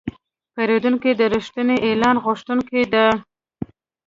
پیرودونکی د رښتیني اعلان غوښتونکی دی.